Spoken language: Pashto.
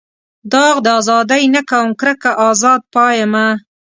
داغ د ازادۍ نه کوم کرکه ازاد پایمه.